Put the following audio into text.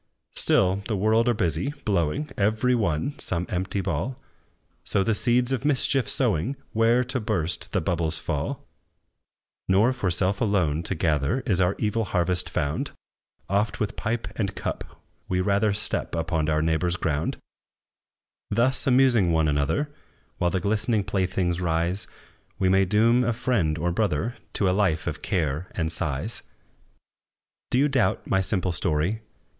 Still the world are busy, blowing, Every one, some empty ball; So the seeds of mischief sowing, Where, to burst, the bubbles fall. Nor for self alone to gather, Is our evil harvest found; Oft, with pipe and cup, we rather Step upon our neighbor's ground. Thus, amusing one another, While the glistening playthings rise, We may doom a friend or brother To a life of care and sighs. Do you doubt my simple story?